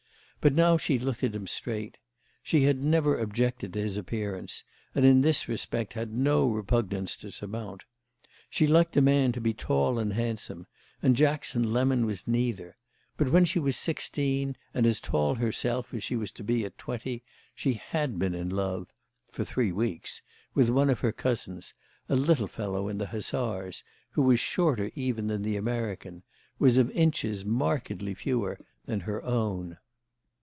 But now she looked at him straight. She had never objected to his appearance, and in this respect had no repugnance to surmount. She liked a man to be tall and handsome, and Jackson Lemon was neither; but when she was sixteen, and as tall herself as she was to be at twenty, she had been in love—for three weeks—with one of her cousins, a little fellow in the Hussars, who was shorter even than the American, was of inches markedly fewer than her own.